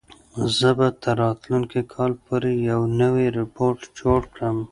زه به تر راتلونکي کال پورې یو نوی روبوټ جوړ کړم.